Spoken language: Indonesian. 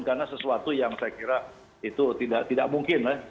karena sesuatu yang saya kira itu tidak mungkin